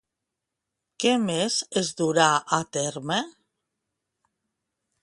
Què més es durà a terme?